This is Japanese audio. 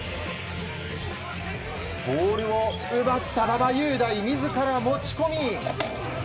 ボールを奪った馬場雄大自ら持ち込み。